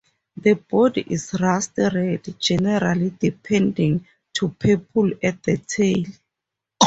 The body is rust red, generally deepening to purple at the tail.